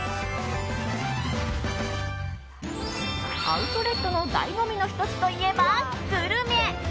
アウトレットの醍醐味の１つといえば、グルメ。